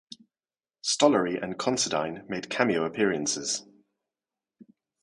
Stollery and Considine made cameo appearances.